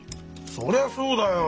そりゃそうだよ。